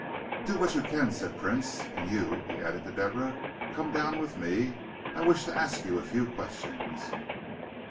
"Do what you can," said Prince, "and you," he added to Deborah, "come down with me. I wish to ask you a few questions."